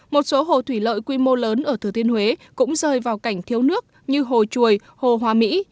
một số hồ thủy lợi quy mô lớn ở thừa thiên huế cũng rơi vào cảnh thiếu nước như hồ chuồi hồ hóa mỹ